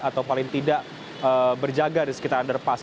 atau paling tidak berjaga di sekitar underpass